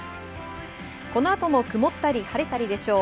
この後も曇ったり晴れたりでしょう。